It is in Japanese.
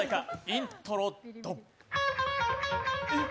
イントロ・ドン。